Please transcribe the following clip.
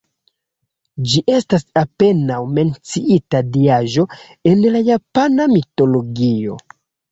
Ĝi estas apenaŭ menciita diaĵo en la japana mitologio.